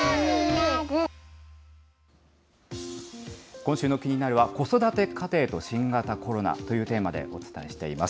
今週のキニナル！は、子育て家庭と新型コロナというテーマでお伝えしています。